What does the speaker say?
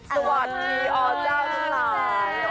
สวัสดีอเจ้าทั้งหลาย